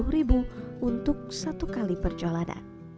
rp dua puluh untuk satu kali perjalanan